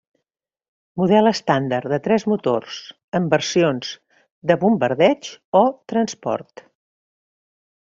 Model estàndard de tres motors, en versions de bombardeig o transport.